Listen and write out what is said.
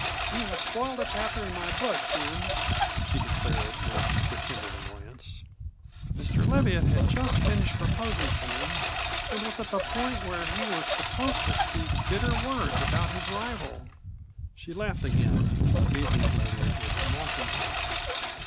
"You have spoiled a chapter in my book, Ben," she declared with pretended annoyance; "Mr. Leviatt had just finished proposing to me and was at the point where he was supposed to speak bitter words about his rival." She laughed again, gazing at Leviatt with mocking eyes.